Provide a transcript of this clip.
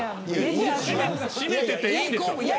閉めていていいんです。